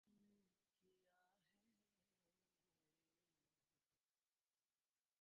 মন্ত্রী কহিলেন, আমি বলিতেছিলাম কি, দিল্লীশ্বর এ সংবাদ শুনিয়া নিশ্চয়ই রুষ্ট হইবেন।